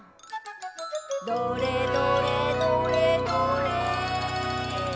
「どれどれどれどれ」